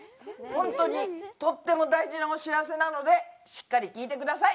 本当にとっても大事なお知らせなのでしっかり聞いてください！